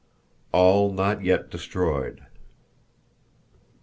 All Not Yet Destroyed.